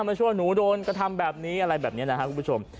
มาช่วยหนูโดนกระทำแบบนี้อะไรแบบนี้นะครับคุณผู้ชม